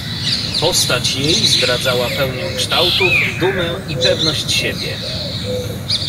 "Postać jej zdradzała pełnię kształtów, dumę i pewność siebie."